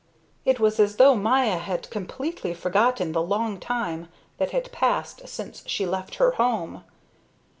It was as though Maya had completely forgotten the long time that had passed since she left her home.